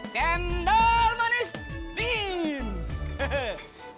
cendol manis dingin